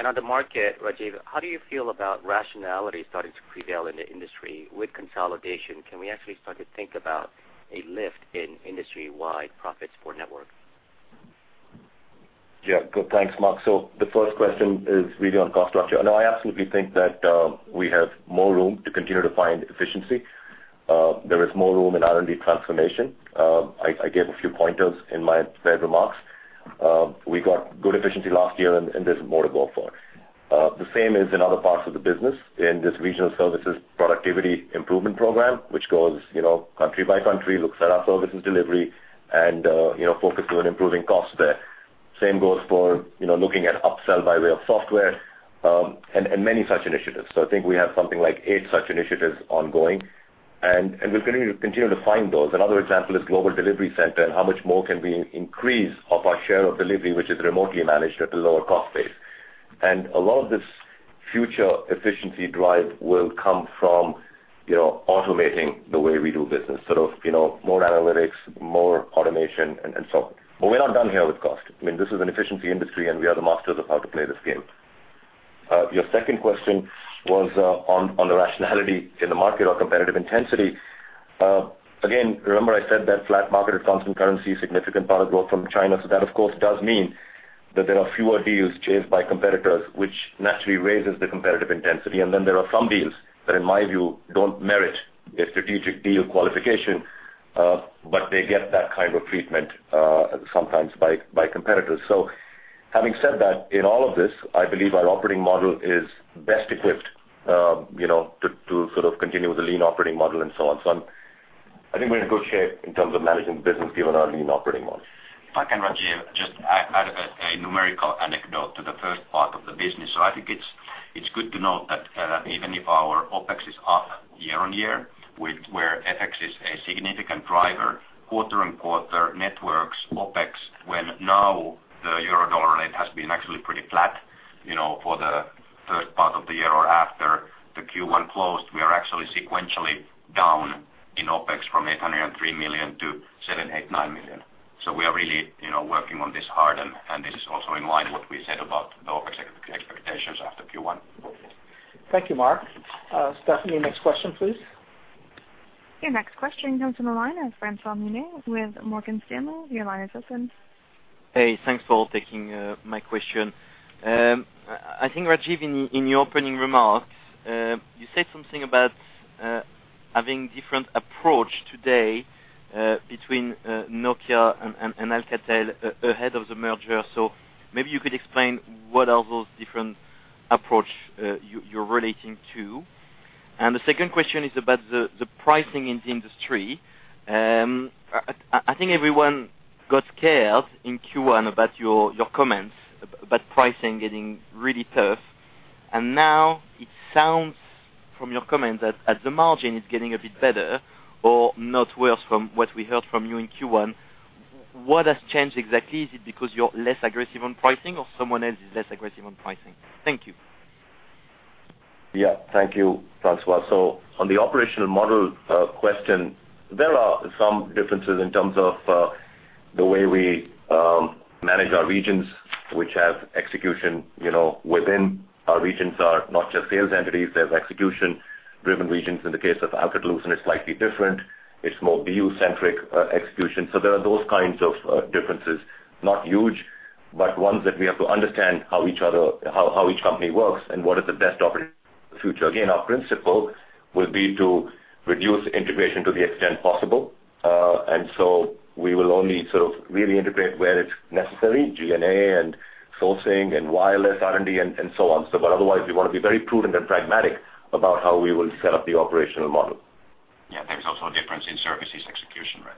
On the market, Rajeev, how do you feel about rationality starting to prevail in the industry with consolidation? Can we actually start to think about a lift in industry-wide profits for network? Yeah. Good. Thanks, Mark. The first question is really on cost structure. I absolutely think that we have more room to continue to find efficiency. There is more room in R&D transformation. I gave a few pointers in my prepared remarks. We got good efficiency last year, and there's more to go for. The same is in other parts of the business, in this regional services productivity improvement program, which goes country by country, looks at our services delivery and focuses on improving costs there. Same goes for looking at upsell by way of software, and many such initiatives. I think we have something like eight such initiatives ongoing, and we're going to continue to find those. Another example is global delivery center and how much more can we increase of our share of delivery, which is remotely managed at a lower cost base. A lot of this future efficiency drive will come from automating the way we do business, sort of more analytics, more automation, and so on. We're not done here with cost. This is an efficiency industry, and we are the masters of how to play this game. Your second question was on the rationality in the market or competitive intensity. Again, remember I said that flat market at constant currency, significant part of growth from China. That, of course, does mean that there are fewer deals chased by competitors, which naturally raises the competitive intensity. Then there are some deals that, in my view, don't merit a strategic deal qualification, but they get that kind of treatment sometimes by competitors. Having said that, in all of this, I believe our operating model is best equipped to sort of continue with the lean operating model and so on. I think we're in good shape in terms of managing the business given our lean operating model. If I can, Rajeev, just add a numerical anecdote to the first part of the business. I think it's good to note that even if our OpEx is up year-on-year, where FX is a significant driver quarter-on-quarter Networks OpEx, when now the euro-dollar rate has been actually pretty flat for the first part of the year or after the Q1 closed, we're actually sequentially down in OpEx from 803 million to 789 million. We're really working on this hard, and this is also in line what we said about the OpEx expectations after Q1. Thank you, Mark. Stephanie, next question, please. Your next question comes from the line of Francois Meunier with Morgan Stanley. Your line is open. Hey, thanks for taking my question. I think, Rajeev, in your opening remarks, you said something about having different approach today between Nokia and Alcatel ahead of the merger. Maybe you could explain what are those different approach you're relating to. The second question is about the pricing in the industry. I think everyone got scared in Q1 about your comments about pricing getting really tough, and now it sounds from your comments that at the margin it's getting a bit better or not worse from what we heard from you in Q1. What has changed exactly? Is it because you're less aggressive on pricing or someone else is less aggressive on pricing? Thank you. Yeah, thank you, Francois. On the operational model question, there are some differences in terms of the way we manage our regions, which have execution within our regions are not just sales entities. There's execution-driven regions. In the case of Alcatel-Lucent it's slightly different. It's more BU-centric execution. There are those kinds of differences, not huge, but ones that we have to understand how each company works and what is the best operating future. Again, our principle will be to reduce integration to the extent possible. We will only sort of really integrate where it's necessary, G&A and sourcing and wireless R&D and so on. Otherwise, we want to be very prudent and pragmatic about how we will set up the operational model. Yeah, there's also a difference in services execution, right?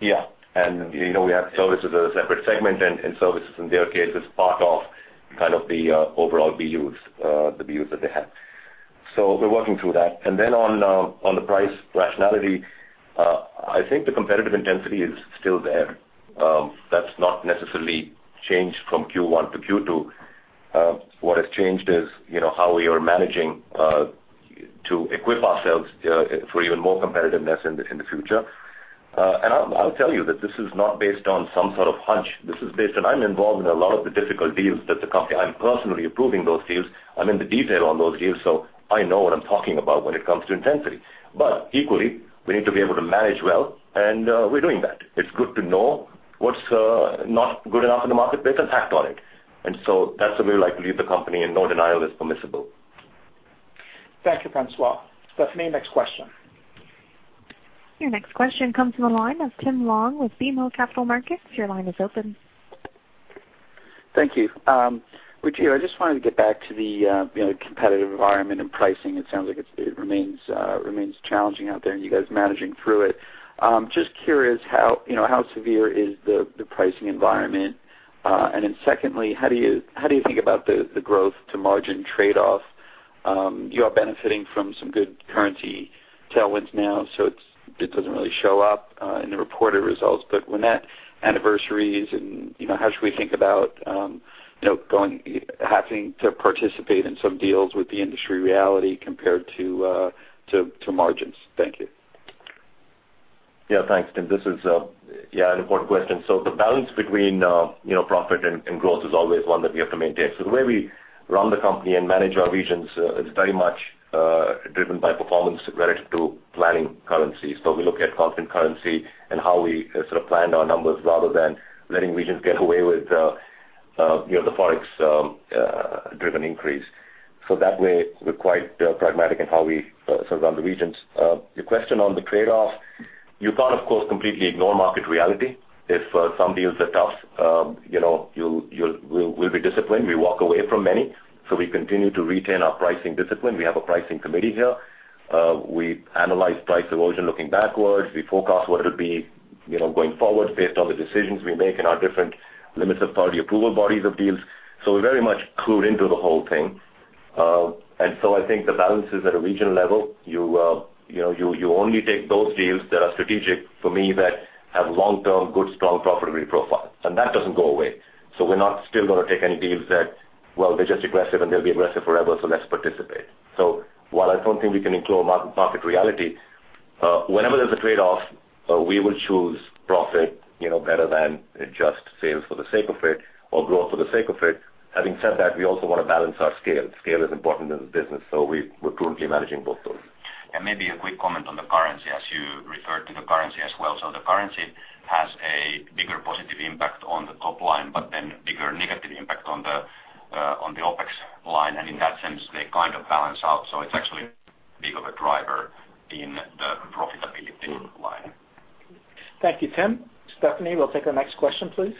Yeah. We have services as a separate segment and services in their case is part of kind of the overall BUs, the BUs that they have. We're working through that. On the price rationality, I think the competitive intensity is still there. That's not necessarily changed from Q1 to Q2. What has changed is how we are managing to equip ourselves for even more competitiveness in the future. I'll tell you that this is not based on some sort of hunch. This is based on, I'm involved in a lot of the difficult deals that the company, I'm personally approving those deals. I'm in the detail on those deals, so I know what I'm talking about when it comes to intensity. Equally, we need to be able to manage well, and we're doing that. It's good to know what's not good enough in the marketplace and act on it. That's the way I like to lead the company, and no denial is permissible. Thank you, Francois. Stephanie, next question. Your next question comes from the line of Tim Long with BMO Capital Markets. Your line is open. Thank you. Rajeev, I just wanted to get back to the competitive environment and pricing. It sounds like it remains challenging out there and you guys are managing through it. Just curious, how severe is the pricing environment? Secondly, how do you think about the growth to margin trade-off? You are benefiting from some good currency tailwinds now, so it doesn't really show up in the reported results. When that anniversaries and how should we think about having to participate in some deals with the industry reality compared to margins? Thank you. Thanks, Tim. This is an important question. The balance between profit and growth is always one that we have to maintain. The way we run the company and manage our regions is very much driven by performance relative to planning currency. We look at constant currency and how we sort of planned our numbers rather than letting regions get away with the Forex-driven increase. That way, we're quite pragmatic in how we sort of run the regions. Your question on the trade-off, you can't, of course, completely ignore market reality. If some deals are tough, we'll be disciplined. We walk away from many. We continue to retain our pricing discipline. We have a pricing committee here. We analyze price erosion looking backwards. We forecast what it'll be going forward based on the decisions we make in our different limits of party approval bodies of deals. We're very much clued into the whole thing. I think the balance is at a regional level. You only take those deals that are strategic for me that have long-term good, strong profitability profile, and that doesn't go away. We're not still going to take any deals that, well, they're just aggressive and they'll be aggressive forever, so let's participate. While I don't think we can ignore market reality, whenever there's a trade-off, we will choose profit better than just sales for the sake of it or growth for the sake of it. Having said that, we also want to balance our scale. Scale is important in this business, so we're prudently managing both those. Maybe a quick comment on the currency as you referred to the currency as well. The currency has a bigger positive impact on the top line, but then bigger negative impact on the OpEx line. In that sense, they kind of balance out. It's actually not that big of a driver in the profitability line. Thank you, Tim. Stephanie, we'll take our next question, please.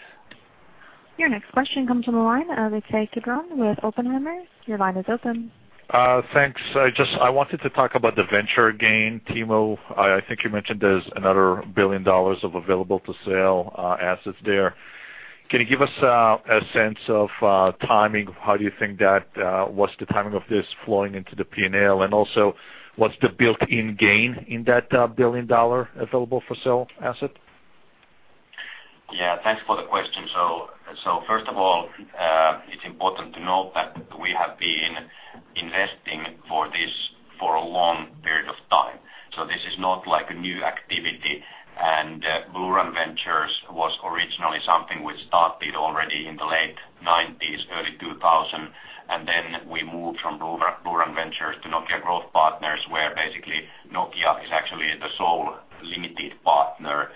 Your next question comes from the line of Ittai Kidron with Oppenheimer. Your line is open. Thanks. I wanted to talk about the venture gain, Timo. I think you mentioned there's another EUR 1 billion of available to sell assets there. Can you give us a sense of what's the timing of this flowing into the P&L, and also what's the built-in gain in that 1 billion available for sale asset? Thanks for the question. First of all, it's important to note that we have been investing for this for a long period of time, so this is not like a new activity. BlueRun Ventures was originally something which started already in the late 90s, early 2000, and then we moved from BlueRun Ventures to Nokia Growth Partners, where basically Nokia is actually the sole limited partner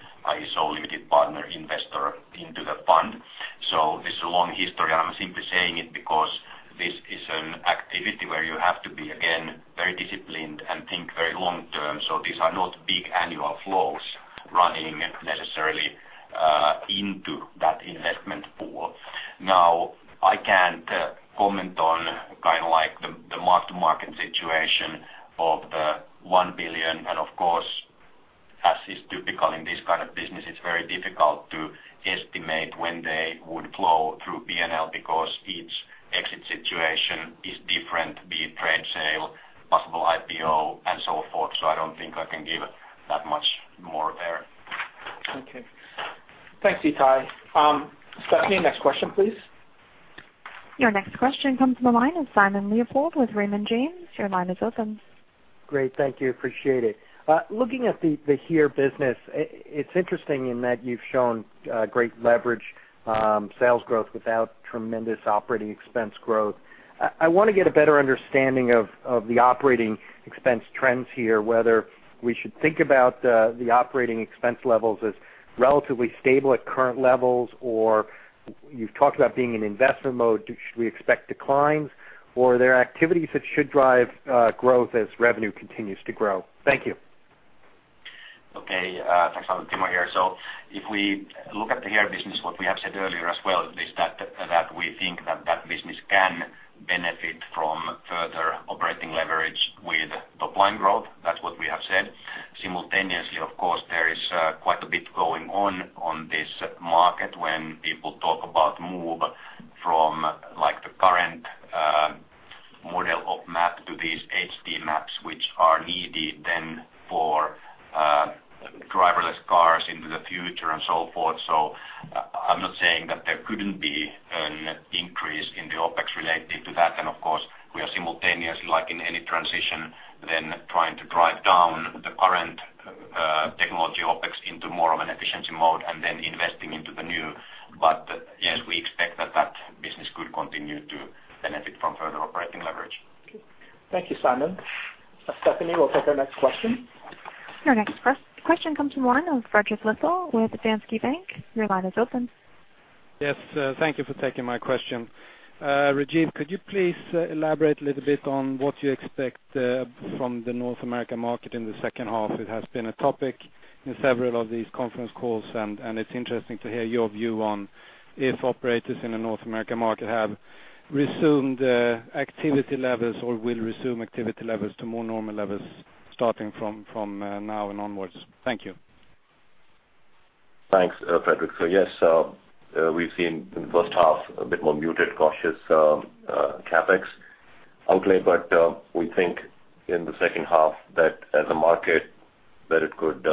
investor into the fund. This is a long history, and I'm simply saying it because this is an activity where you have to be, again, very disciplined and think very long term. These are not big annual flows running necessarily into that investment pool. I can't comment on the mark-to-market situation of the 1 billion, and of course, as is typical in this kind of business, it's very difficult to estimate when they would flow through P&L because each exit situation is different, be it trade sale, possible IPO, and so forth. I don't think I can give that much more there. Okay. Thanks, Ittai. Stephanie, next question, please. Your next question comes from the line of Simon Leopold with Raymond James. Your line is open. Great. Thank you. Appreciate it. Looking at the HERE business, it's interesting in that you've shown great leverage sales growth without tremendous operating expense growth. I want to get a better understanding of the operating expense trends here, whether we should think about the operating expense levels as relatively stable at current levels, or you've talked about being in investor mode. Should we expect declines, or are there activities that should drive growth as revenue continues to grow? Thank you. Okay. Thanks, Simon. Timo here. If we look at the HERE business, what we have said earlier as well is that we think that that business can benefit from further operating leverage with top-line growth. That's what we have said. Simultaneously, of course, there is quite a bit going on on this market when people talk about move from the current model of map to these HD maps, which are needed then for driverless cars into the future and so forth. I'm not saying that there couldn't be an increase in the OpEx related to that. Of course, we are simultaneously, like in any transition, then trying to drive down the current technology OpEx into more of an efficiency mode and then investing into the new. Yes, we expect that that business could continue to benefit from further operating leverage. Okay. Thank you, Simon. Stephanie will take our next question. Your next question comes from the line of Fredrik Lissell with Danske Bank. Your line is open. Yes. Thank you for taking my question. Rajeev, could you please elaborate a little bit on what you expect from the North American market in the second half? It has been a topic in several of these conference calls, and it's interesting to hear your view on if operators in the North American market have resumed activity levels or will resume activity levels to more normal levels starting from now and onwards. Thank you. Thanks, Fredrik. Yes, we've seen in the first half a bit more muted, cautious CapEx outlay. We think in the second half that as a market that it could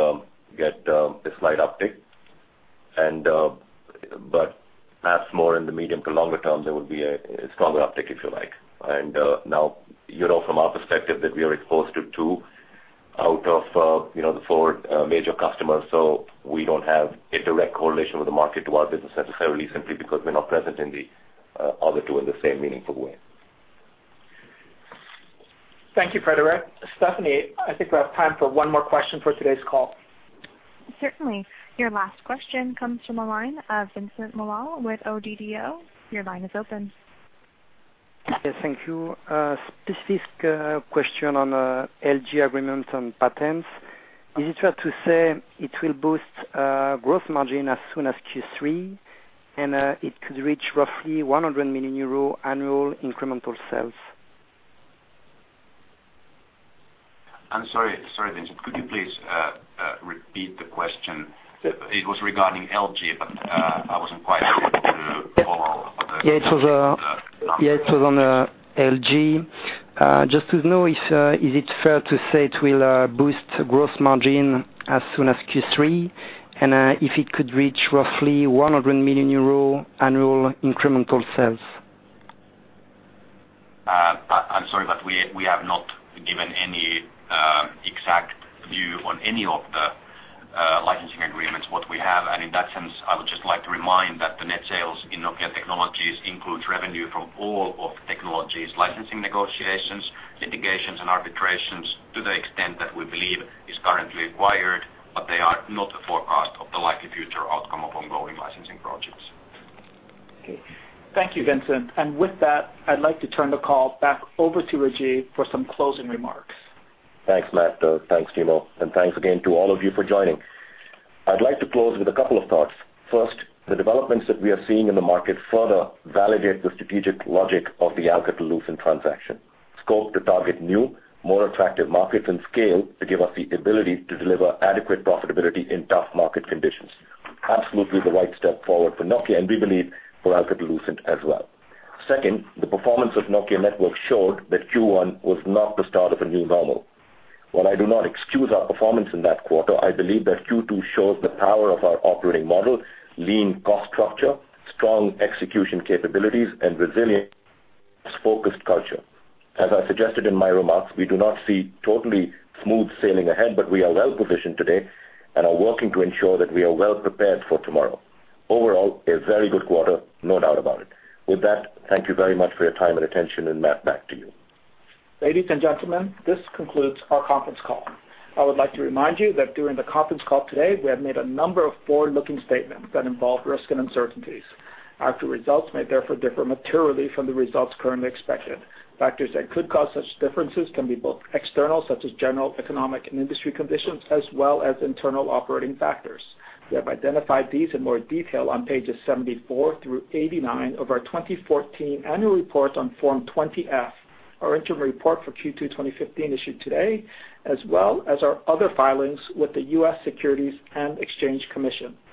get a slight uptick, but perhaps more in the medium to longer term, there will be a stronger uptick, if you like. Now, you know from our perspective that we are exposed to two out of the four major customers. We don't have a direct correlation with the market to our business necessarily, simply because we're not present in the other two in the same meaningful way. Thank you, Fredrik. Stephanie, I think we have time for one more question for today's call. Certainly. Your last question comes from the line of Vincent Malaurie with Oddo. Your line is open. Yes, thank you. A specific question on LG agreement on patents. Is it fair to say it will boost growth margin as soon as Q3, and it could reach roughly 100 million euro annual incremental sales? I'm sorry, Vincent. Could you please repeat the question? It was regarding LG, but I wasn't quite able to follow all the numbers. It was on LG Electronics. Just to know, is it fair to say it will boost gross margin as soon as Q3, and if it could reach roughly 100 million euro annual incremental sales? I'm sorry, we have not given any exact view on any of the licensing agreements, what we have. In that sense, I would just like to remind that the net sales in Nokia Technologies includes revenue from all of technologies licensing negotiations, litigations, and arbitrations to the extent that we believe is currently acquired, but they are not a forecast of the likely future outcome of ongoing licensing projects. Okay. Thank you, Vincent. With that, I'd like to turn the call back over to Rajeev for some closing remarks. Thanks, Matt. Thanks, Timo, thanks again to all of you for joining. I'd like to close with a couple of thoughts. First, the developments that we are seeing in the market further validate the strategic logic of the Alcatel-Lucent transaction. Scope to target new, more attractive markets and scale to give us the ability to deliver adequate profitability in tough market conditions. Absolutely the right step forward for Nokia, and we believe for Alcatel-Lucent as well. Second, the performance of Nokia Networks showed that Q1 was not the start of a new normal. While I do not excuse our performance in that quarter, I believe that Q2 shows the power of our operating model, lean cost structure, strong execution capabilities, and resilient focused culture. As I suggested in my remarks, we do not see totally smooth sailing ahead, but we are well-positioned today and are working to ensure that we are well prepared for tomorrow. Overall, a very good quarter, no doubt about it. With that, thank you very much for your time and attention, and Matt, back to you. Ladies and gentlemen, this concludes our conference call. I would like to remind you that during the conference call today, we have made a number of forward-looking statements that involve risks and uncertainties. Actual results may therefore differ materially from the results currently expected. Factors that could cause such differences can be both external, such as general economic and industry conditions, as well as internal operating factors. We have identified these in more detail on pages 74 through 89 of our 2014 annual report on Form 20-F, our interim report for Q2 2015 issued today, as well as our other filings with the U.S. Securities and Exchange Commission. Thank you